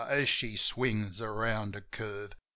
as she swings around a curve.